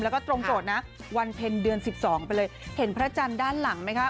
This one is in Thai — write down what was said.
แล้วก็ตรงโจทย์นะวันเพ็ญเดือน๑๒ไปเลยเห็นพระจันทร์ด้านหลังไหมคะ